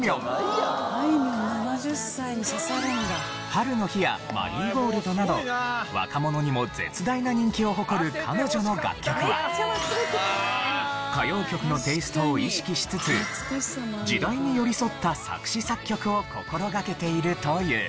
『ハルノヒ』や『マリーゴールド』など若者にも絶大な人気を誇る彼女の楽曲は歌謡曲のテイストを意識しつつ時代に寄り添った作詞・作曲を心掛けているという。